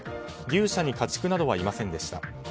牛舎に家畜などはいませんでした。